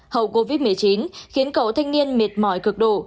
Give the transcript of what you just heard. hậu covid một mươi chín khiến cậu thanh niên mệt mỏi cực đổ